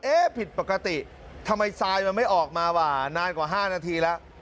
ผิดปกติทำไมทรายมันไม่ออกมาว่านานกว่า๕นาทีแล้ว